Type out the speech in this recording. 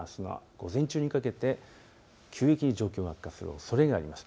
午前中にかけて急激に状況が悪化するおそれがあります。